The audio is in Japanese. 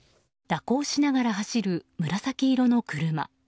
蛇行しながら走る紫色の車。